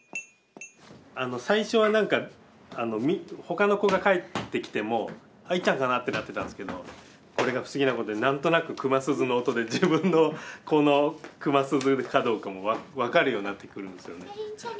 最初は何かほかの子が帰ってきても「いっちゃんかな？」ってなってたんですけどこれが不思議なことに何となく熊鈴の音で自分の子の熊鈴かどうかもわかるようになってくるんですよね。